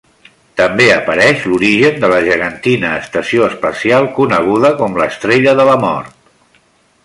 També apareix l'origen de la gegantina estació espacial coneguda com l'Estrella de la Mort.